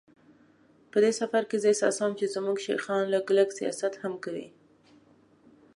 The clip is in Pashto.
په دې سفر کې زه احساسوم چې زموږ شیخان لږ لږ سیاست هم کوي.